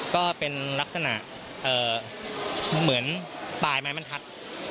ก็เป็นลักษณะเหมือนปลายไม้บรรทัด